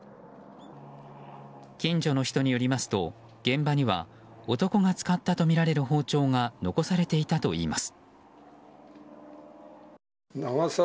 近所の人によりますと現場には男が使ったとみられる包丁が残されていたといいます。